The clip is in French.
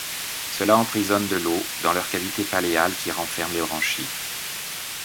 Cela emprisonne de l'eau dans leur cavité palléale qui renferme les branchies.